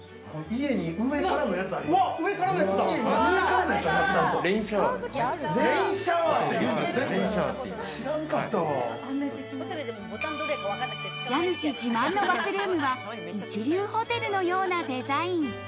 家主自慢のバスルームは一流ホテルのようなデザイン。